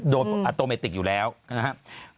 โดนอัตโมเมติกอยู่แล้วนะฮะ